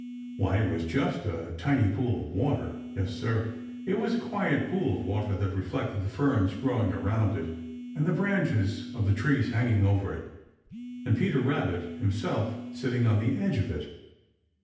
Why, it was just a tiny pool of water. Yes, Sir, it was a quiet pool of water that reflected the ferns growing around it and the branches of the trees hanging over it, and Peter Rabbit himself sitting on the edge of it.